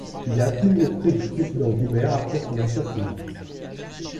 Il est appelé auprès du président Doumer après son assassinat.